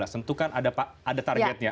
tentu kan ada targetnya